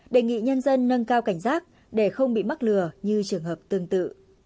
đề nghị nhân dân nâng cao cảnh giác để không bị mắc lừa như trường hợp tương tự